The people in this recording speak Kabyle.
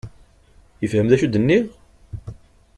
Yefhem d acu i d-nniɣ?